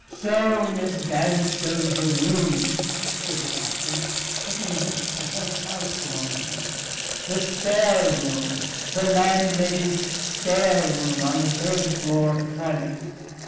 "Show Miss Vanstone her room," said the captain, looking as if the whole house belonged to him. "The spare room, the landlady's spare room, on the third floor front.